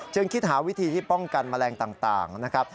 คิดหาวิธีที่ป้องกันแมลงต่างนะครับ